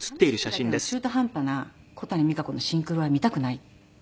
「楽しむだけの中途半端な小谷実可子のシンクロは見たくない」。